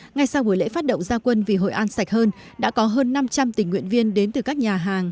ngay sau buổi lễ phát động gia quân vì hội an sạch hơn đã có hơn năm trăm linh tình nguyện viên đến từ các nhà hàng